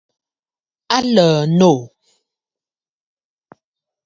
A lə̀ə̀ noò.